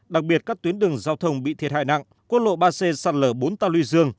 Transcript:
đặc biệt các tuyến đường giao thông bị thiệt hại nặng quân lộ ba c sạt lở bốn tàu lưu dương